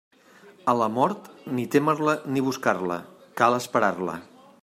A la mort, ni témer-la ni buscar-la: cal esperar-la.